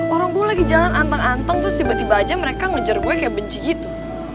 orang gue lagi jalan anteng anteng terus tiba tiba aja mereka ngejar gue kayak benci gitu